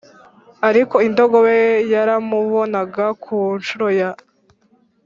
ariko indogobe ye yaramubonaga Ku ncuro ya